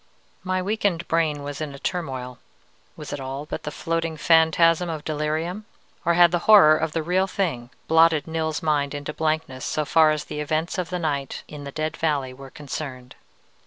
"My weakened brain was in a turmoil. Was it all but the floating phantasm of delirium? Or had the horror of the real thing blotted Nils's mind into blankness so far as the events of the night in the Dead Valley were concerned?